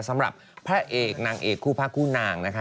สำหรับพระเอกนางเอกคู่พระคู่นางนะคะ